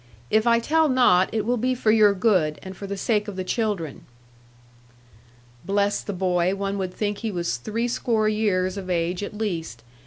If I tell not it will be for your good, and for the sake of the children.' 'Bless the boy, one would think he was threescore years of age at least.